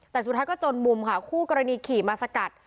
แต่สุดท้ายก็จนมุมค่ะคู่กรณีขี่มาสกัด